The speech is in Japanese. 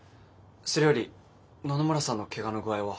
それより野々村さんのけがの具合は。